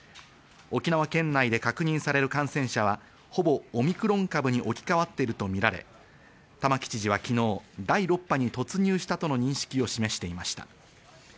沖縄県内で確認される感染者はほぼオミクロン株に置き変わっているとみられ、玉城知事は昨日、第６波に突入したとの認識を示していました。